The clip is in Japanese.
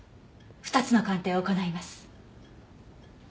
２つの鑑定を行います。